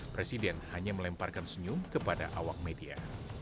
presiden hanya melemparkan senyum kepada awak media